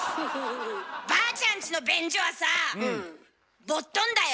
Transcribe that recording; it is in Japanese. ばあちゃんちの便所はさあボットンだよ。